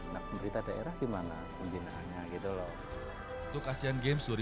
nah pemerintah daerah gimana pembinaannya gitu loh